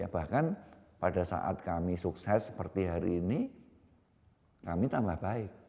bahkan pada saat kami sukses seperti hari ini kami tambah baik